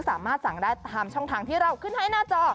สามารถสั่งได้ตามช่องทางที่เราขึ้นให้หน้าจอ